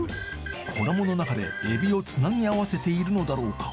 衣の中でエビをつなぎ合わせているのだろうか？